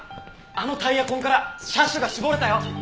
あのタイヤ痕から車種が絞れたよ。